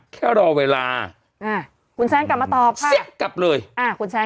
แค่รอเวลาอ่าคุณแซนกลับมาตอบค่ะเสี้ยกลับเลยอ่าคุณแซน